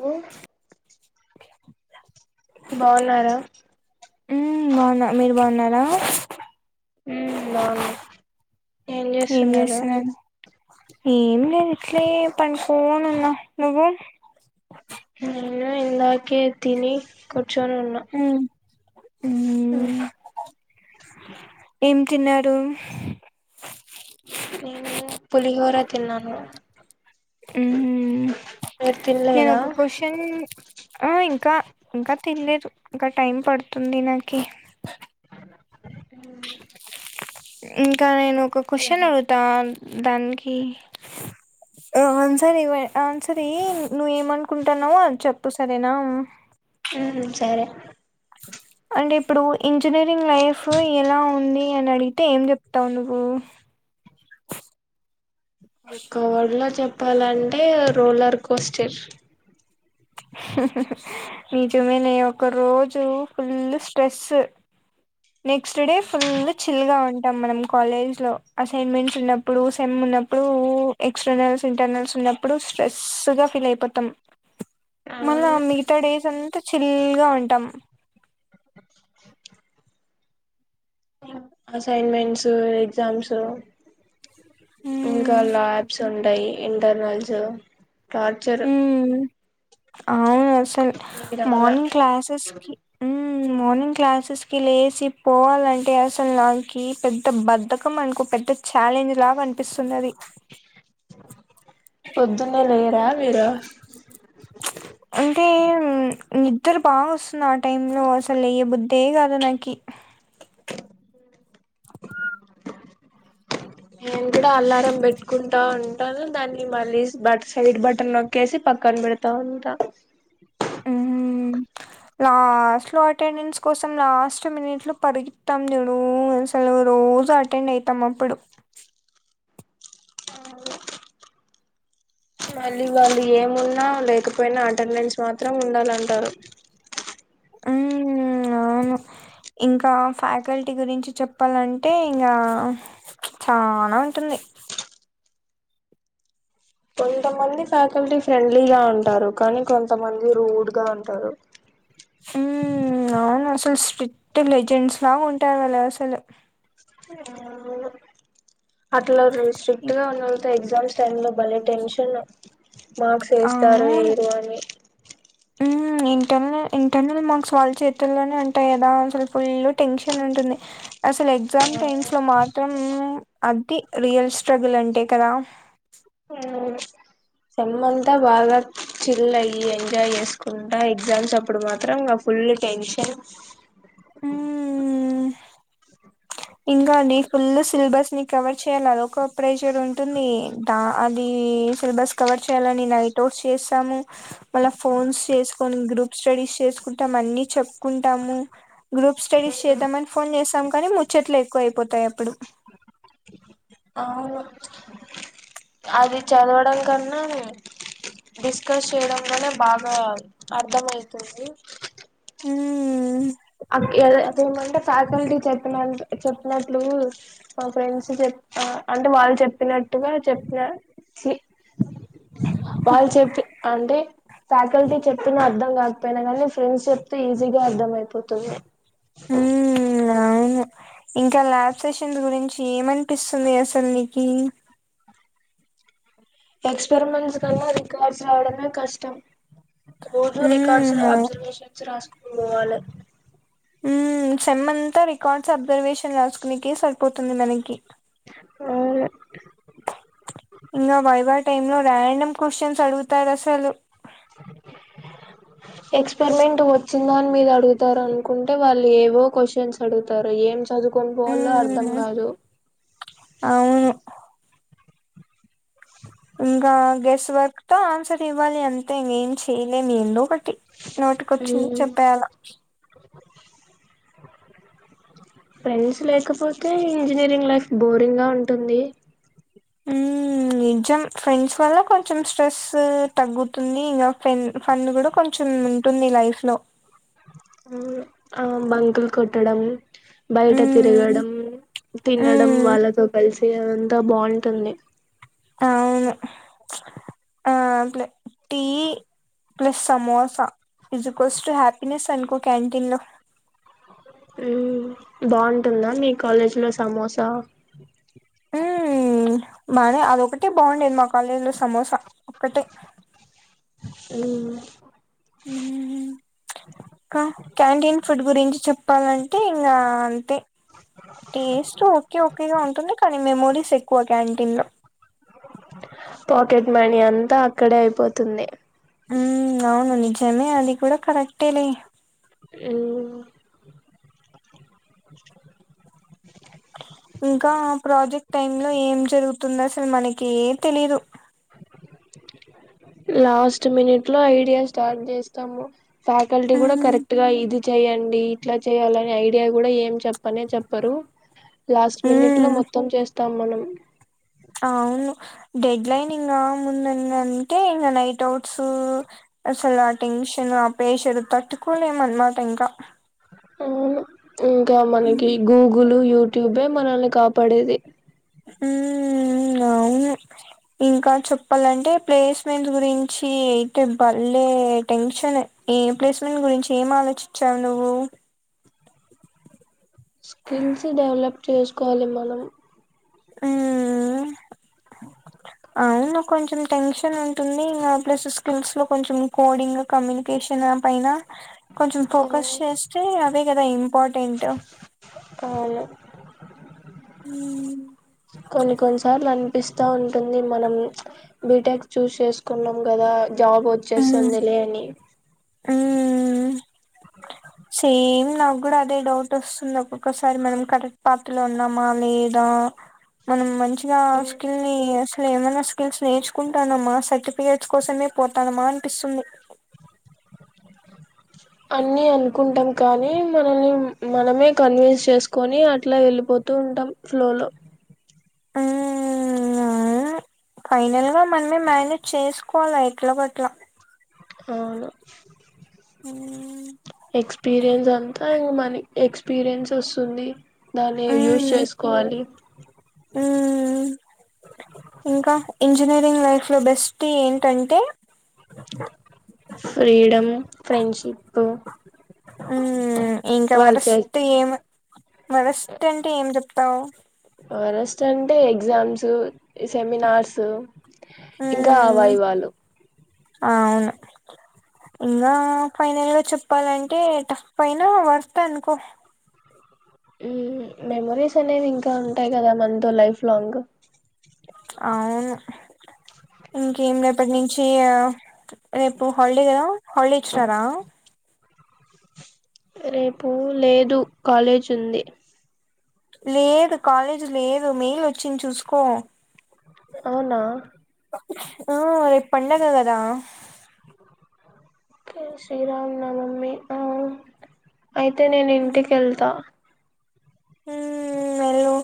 హమ్ బాగున్నారా హమ్ బాన్నా మీరుబన్నార్ ఆ హమ్ నాన్న ఏం చేస్తున్నరు ఏం లేదు ఇట్లే పడికోను ఉన్నా నువ్వు నేను ఇందాకే తిని కొ కూర్చొని ఉన్నా మ్మ్ మ్మ్ తిన్నాడు నేను పులిహోరా తిన్నాను హమ్ మీరు నేను తినలేదా ఒక క్యూస్షన్ ఆ ఇంకా ఇంకా తినలేదు ఇంకా టైం పడుతుంది నాకి ఇంకా నేను ఒక క్వశ్చన్ అడుగుతా దానికి ఆన్సర్ ఆన్సర్ ఇ నువ్వు ఏమనుకుంటాన్నావో చెప్పు సరేనా హమ్ సరే అంటే ఇప్పుడు ఇంజనీరింగ్ లైఫ్ ఎలా ఉంది అని అడిగితే ఏం చెప్తావు నువ్వు ఒక వర్డ్లో చెప్ చెప్పాలంటే రోలర్ కోస్టర్ హ్మ్మ్ నిజమేనే ఒక రోజు ఫుల్ స్ట్రెస్ నెక్స్ట్డే ఫుల్ చిల్గా ఉంటాం మనం కాలేజ్లో అసైన్మెంట్స్ ఉన్నప్పుడు సెమ్ ఉన్నప్పుడు ఎక్స్టర్నల్స్ ఇంటర్నల్స్ ఉన్నప్పుడు స్ట్రెస్గా ఫీల్ అయిపోతాం మల్ల అవును మీగత డేస్ అంత అంత చిల్గా ఉంటాం అసైన్మెంట్స్ ఎగ్జామ్స్ ఇంకా ఉమ్ లాబ్స్ ఉంటయి ఇంటర్నల్స్ టార్చర్ ఉమ్ అవును మ్ మీరు అలా మార్నింగ్ క్లాసెస్కి మార్నింగ్ క్లాసెస్ కి లేచి పోవాలంటే అసలు నాకి పెద్ద బద్దకం అనుకో పెద్ద ఛాలెంజ్ లాగా కనిపిస్తున్నది పొద్దున్నే లేరా మీరు చ్ అంటే మ్మ్ మిక్ నిద్దర బాగా వస్తుంది ఆ టైంలో అసలు లెయ్యబుద్దే కాదు నాకి త నేను కూడా అల్లారం పెట్టుకుంటా ఉంటాను దాన్ని మళ్ళీ బ సైడ్ బటన్ నొక్కేసి పక్కన పెడతా ఉంటా లాస్ట్ లో అటెండెన్స్ కోసం లాస్ట్ మినిట్లు పరిగెత్తమా చూడు అసలు రోజు అటెండ్ అయితాం అప్పుడు అవును మళ్ళీ వాళ్ళు ఏమున్నా లేకపోయినా అటెండెన్స్ మాత్రం ఉండాలంటారు మ్మ్ అవును ఇంకా ఫ్యాకల్టీ గురించి చెప్పాలంటే ఇంకా చానా ఉంటుంది కొంతమంది ఫ్యాకల్టీ ఫ్రెండ్లీగా ఉంటారు కానీ కొంతమంది రూడ్ గా ఉంటారు మ్మ్ అవును అసలు స్ట్రిక్ట్ లెజెండ్స్ లాగా ఉంటారు వాళ్ళు అసలు మ్ అట్లా స్ట్రిక్ట్ గా ఉన్నవాళ్ళతో ఎగ్జా ఎగ్జామ్స్ టైంలో భలే టెన్షన్ మార్క్స్ వేస్తారో వేయరో అని మ్మ్ ఇంటర్నల్ ఇంటర్నల్ మార్క్స్ వాళ్ళ చేతుల్లోనే ఉంటాయి కదా అసలు ఫుల్ టెన్షన్ ఉంటుంది అసలు ఎగ్జామ్ టైమ్స్ లో మాత్రం అది రియల్ స్ట్రగుల్ అంటే కదా సల్ అంతా బాగా చిల్ అయి ఎంజాయ్ చేసుకుంటా ఎగ్జామ్స్ అప్పుడు మాత్రం ఫుల్ టెన్షన్ మ్మ్ ఇంకా నీ ఫుల్ సిలబస్ ని కవర్ చేయాలది ఒక ప్రెషర్ ఉంటుంది ద అది సిలబస్ కవర్ చేయాలని నైట్అవుట్స్ చేసాము మళ్ళ ఫోన్స్ చే కొన్ని గ్రూప్ స్టడీస్ చేసుకుంటాం అన్ని చెప్పుకుంటాము గ్రూప్ స్టడీస్ చేద్దామని ఫోన్ చేసాం మరే చెట్లు ఎక్కువ అయిపోతాయి అప్పుడు అవును అది చదవడం కన్నా డిస్కస్ చేయడం లోనే బాగా అర్థం అయితుంది మ్మ్ అక్ అది అదేమంటే ఫ్యాకల్టీ చెప్పిన చెప్పినట్లు మా ఫ్రెండ్స్ చె అంటే వాళ్ళు చెప్పినట్టుగా చెప్పిన చి వాళ్ళు చెప్పి అంటే ఫ్యాకల్టీ చెప్పిన అర్థం కాకపోయినా కానీ ఫ్రెండ్స్ చెప్తే ఈజీగా అర్థం అయిపోతు తుంది ఉమ్ ఇంకా లాబ్స్ సెషన్స్ గురించి ఏమనిపిస్తుంది అసలు నీకు ఎక్స్పెరిమెంట్స్ కన్నా రికార్డ్స్ రావడమే కష్టం రోజు రికార్డ్స్ ఉమ్ అవు- అబ్జర్వేషన్ రాసుకొని పోవాలె ఉమ్ సేమ్ అంతా రికార్డ్స్ అబ్జర్వేషన్ రాసుకునేక సరిపోతుంది మనకి ఆ ఇంగా వైవ టైమ్ లో ర్రాండమ్ క్వశ్చన్స్ అడుగుతారు అసలు ఎక్స్పెరిమెంట్ వచ్చిందా అని మీద అడుగుతారు అనుకుంటే వాళ్ళు ఏవో క్వశ్చన్స్ అడుగుతారు ఏం చదువుకొని పోవాలో అర్థం ఉమ్ కాదు అవును ఇంకా గెస్ట్ వర్క్ తో ఆన్సర్ ఇవ్వాలి అంతే ఇంక ఏం చెయలేనిందు ఒక నోటికొచ్చింది చెప్పేయాల ఫ్రెండ్స్ లేకపోతే ఇంజనీరింగ్ లైఫ్ బోరింగ్ గా ఉంటుంది నిజం ఫ్రెండ్స్ వల్ల కొంచెం స్ట్రెస్ తగ్గుతుంది ఇంకా ఫెం ఫన్ కూడా కొంచెం ఉంటుంది లైఫ్ లో ఆ బంకుల్ కొట్టడం బయట ఉమ్ తిరగడం తినడం ఉమ్ వాళ్ళతో కలిసి అంత బాగుంటుంది వును ఆ ప్లే tea plus samosa is equal to ఆప్ ఇన సన్కు క్యాంటన్ లో హోమ్ బాగుంటుందా మీ కాలేజీలో సమోసా బానే అదొకటే బాగుండేది మా కాలేజీలో సమోసా ఒక్కటే వు ఉమ్, ఇంకా క్యాంటీన్ ఫుడ్ గురించి చెప్పాలంటే ఇంకా అంతే టేస్ట్ ఓకే ఒకేగా ఉంటుంది క మెమోరీస్ ఎక్కువ క్యాంటీన్ లో పాకెట్ మనీ అంతా అక్కడే అయిపోతుంది ఉ అవునని తనే అది కూడా కరెక్టేలే అ ఇంకా ప్రాజెక్ట్ టైమ్ లో ఏం జరుగుతుందో అసలు మనకి తెలీదు లాస్ట్ మినిట్ లో ఐడియా స్టార్ట్ చేస్తాము ఫ్యాకల్టీ కూడా ఉమ్ కరెక్ట్ గా ఇది చెయ్యండి ఇట్లా చేయాలనే ఐడియా కూడా ఏం చెప్పనే చెప్పరు లాస్ట్ మినిట్ లో ఉమ్ మొత్తం చేస్త తమ్మనం అవును డెడ్లైన్ ఇంకా ముంద అంటే ఇంకా నైట్ అవుట్స్ అసలు ఆ టెన్షన్ ఆ పేషన్ తట్టుకోలేమ అన్నమాట ఇంకా అవును ఇంకా మనకి గూగుల్ యూట్యూబే మనల్ని కాపాడేది హ అవును ఇంకా చెప్పాలంటే ప్లేస్మెంట్ గురించి అయితే బళ్లే టెన్షన్ ఏ ప్లేస్మెంట్ గురించి ఏం ఆలోచించావు నువ్వు స్కిల్స్ డెవలప్ చేసుకోవాలి మనం మ్మ్ అవును కొంచం టెన్షన్ ఉంటుంది ఇంగా ప్లస్ స్కిల్స్ లో కొంచెం కోడింగ్ కమ్యూనికేషన్ పైన కొంచెం ఫోకస్ చేస్తే అదే కదా ఇంపార్టెంట్ అవును కొన్ని కొన్ని సార్లు అన్ పిస్తా ఉంటుంది మనం బీటెక్ చూస్ చేసుకున్నాం కదా జాబ్ వచ్చేస్తుంది లే అని హ్మ్ హ్మ్ సేమ్ నాకు కూడా అదే డౌట్ వస్తుంది ఒక్కొక్కసారి మనం కరెక్ట్ పాత్ లో ఉన్నామా లేదా మనం మంచి ఇగా స్కిల్ని అసలేమన స్కిల్స్ నేర్చుకుంటానమ్మా సర్టిఫికేట్స్ కోసమే పోతానమా అనిపిస్తుంది అన్ని అనుకుంటాం కానీ మనల్ని మనమే కన్విన్స్ చేసుకొని అట్లా వెళ్ళిపోతూ ఉంటాం ఫ్లోలో ఆ ఫైనల్ గా మనమే మానేజ్ చేసుకోల్ల ఎట్లో గట్లా అవును మ్మ్ ఎక్స్పీరియన్స్ అంతా మ అని ఎక్స్పీరియన్స్ వస్తుంది దాన్ని యూజ్ చేసుకోవాలి ఆ హ్మ్ ఇంకా ఇంజనీరింగ్ లైఫ్ లో బెస్ట్ ఏంటంటే ఫ్రీడమ్ ఫ్రెండ్షిప్ హ్మ్ ఇంకా వాళ్ళు చే వరస్ట్ ఏం వరస్ట్ అంటే ఏం చెప్తావ్ వరెస్ట్ అంటే ఎగ్జామ్స్ సెమినార్స్ ఇంకా ఆ వై మ్మ్ వాలు అవును ఇంగా ఫైనల్గా చెప్పాలంటే టఫ్ అయినా వర్త్ అనుకో హ్మ్ మెమరీస్ అనేవి ఇంకా ఉంటాయి కదా మనతో లైఫ్ లాంగ్ అవును ఇంకేం రేపటి నుంచి రేపు హల్డే కదా హాలిడే ఇచ్చినారా రేపు లేదు కాలేజ్ ఉంది. లేదు కాలేజ్ లేదు మెయిల్ వచ్చింది చూసుకో అవునా ఆ రేపు పండగ కదా శ్రీరామ నవమి అ అయితే నేను ఇంటికి యెళ్తా హ్మ్ ఎల్లు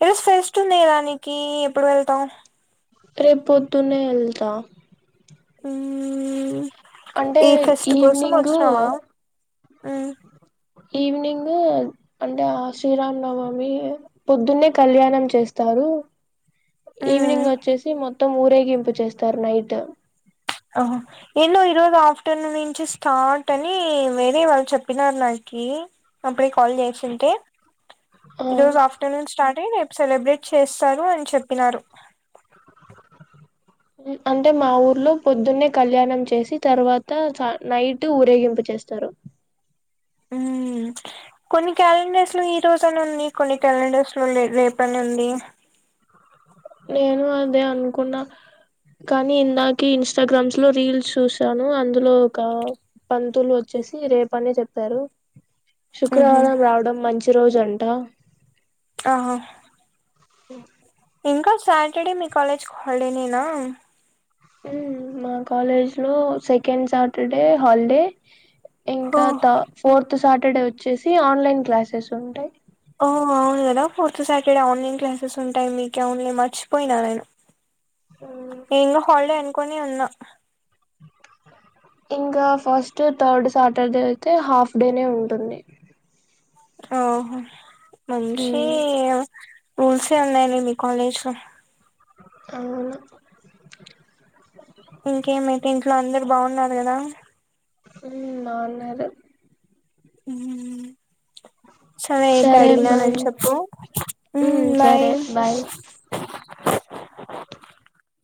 ఈరోజు ఫెస్ట్ ఉంది కదా నీకి ఎప్పుడు వెళ్తావ్ రేపు పొద్దునే వెళ్తా మ్మ్ అంటే ఈ ఫెస్ట్ కోసం ఈవినింగ్ వచ్చినావా ఈవ్నింగు అంటే ఆ శ్రీరామ్నవమి పొద్దున్నే కళ్యాణం చేస్తారు మ్మ్ ఈవినింగ్ వచ్చేసి మొత్ మొత్తం ఊరేగింపు చేస్తారు నైట్ ఏందో ఈరోజు ఆఫ్టర్నూన్ నుంచి స్టార్ట్ అని వేరే వాళ్ళు చెప్పినారు నాకి అప్పుడే కాల్ చేసింటే ఆ ఈ రోజు ఆఫ్టర్నూన్ స్టార్ట్ నేనే ఏప్ సెలబ్రేట్ చేస్తాను అని చెప్పినారు మ్ అంటే మా ఊర్లో పొద్దున్నే కళ్యాణం చేసి తర్వాత సా నైటు ఊరేగింపు చేస్తారు మ్మ్ ప్చ్ కొన్ని క్యాలెండర్స్ లో ఈ రోజన్ని ఉంది కొన్ని క్యాలెండర్స్ లో లే రేపని ఉంది నేను అదే అనుకున్నా కానీ ఇందాకి ఇన్స్టాగ్రామ్స్ లో రీల్స్ చూసాను అందులో ఒక పంతులు వచ్చేసి రేపనే చెప్పారు మ్హు శుక్రవారం రావడం మంచి రోజంట ఆహా హ్ ఇంకా సాటర్డే మీ కాలేజ్ హల్డేనేనా మ్మ్ మా కాలేజ్ లో సెకండ్ సాటర్డే హాల్డే ఓ ఇంకా తా ఫోర్త్ సాటర్డే వచ్చేసి ఆన్లైన్ క్లాసెస్ ఉంటాయి ఓ అవును కదా ఫోర్త్ సాటర్డే ఆన్లైన్ క్లాసెస్ ఉంటాయి మీకే అవునులే మర్చిపోయినా నేను నేను హాల్డే అనుకునే ఉన్నా ఇంకా ఫస్ట్ థర్డ్ సాటర్డే అయితే హాఫ్ డేనే ఉంటుంది ఓహో మంచీ రూల్సే ఉన్నాయిలే మీ కాలేజ్ లో అవును ఇంకేమైతే ఇంట్లో అందరు బాగున్నారు కదా హ్మ్ బాగున్నారు మ్మ్ సరే అయితే అడిగినానని చెప్పు సరే బాయ్